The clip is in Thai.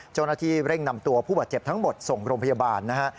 เจ้าหน้าที่เร่งนำตัวผู้บาดเจ็บทั้งหมดส่งโรงพยาบาลนะฮะ